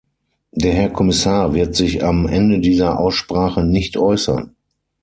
Der Herr Kommissar wird sich am Ende dieser Aussprache nicht äußern.